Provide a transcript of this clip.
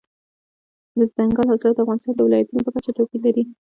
دځنګل حاصلات د افغانستان د ولایاتو په کچه توپیر لري.